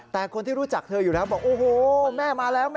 แต่คนที่รู้จักเธออยู่แล้วบอกโอ้โหแม่มาแล้วแม่